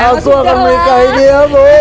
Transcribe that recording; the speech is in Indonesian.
aku akan nikahin dia bu